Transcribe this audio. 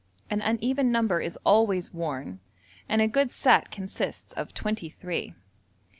An uneven number is always worn, and a good set consists of twenty three.